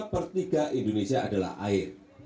per tiga indonesia adalah air